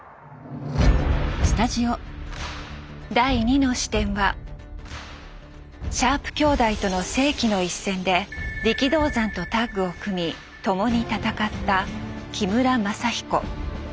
第２の視点はシャープ兄弟との世紀の一戦で力道山とタッグを組み共に戦った木村政彦。